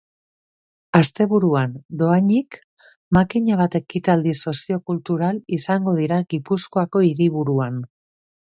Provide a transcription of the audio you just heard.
Asteburuan, dohainik, makina bat ekitaldi soziokultural izango dira gipuzkoako hiriburuan.